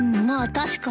確かに。